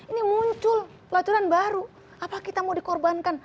ini muncul pelacuran baru apakah kita mau dikorbankan